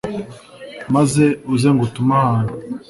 maze uze ngutume ahantu"